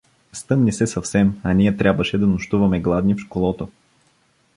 Стъмни се съвсем, а ние трябваше да нощуваме гладни в школото.